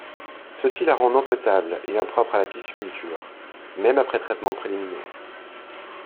Ceci la rend non potable et impropre à la pisciculture, même après traitement préliminaire.